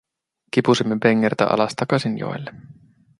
Kipusimme pengertä alas takaisin joelle.